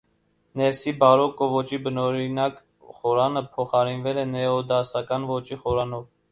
Ներսի բարոկկո ոճի բնօրինակ խորանը փոխարինվել է նեոդասական ոճի խորանով։